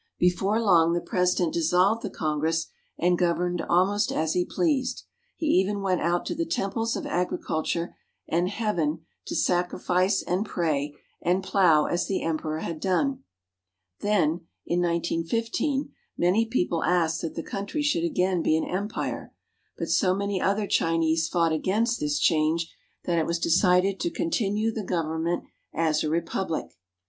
Before long the President dissolved the Con gress and governed almost as he pleased. He even went out to the Temples of Agriculture and Heaven to sacri fice and pray and plow as the Emperor had done. Then, '— "l^^^^^^^^^K^^ si^^l^ ' I30 CHINA in 191 5, many people asked that the country should again be an Empire. But so many other Chinese fought against this change that it was decided to continue the government as a Republic.